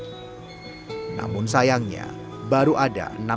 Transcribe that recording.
namun sayangnya baru ada enam inkubator yang dilengkapi ventilator atau alat bantu pernafasan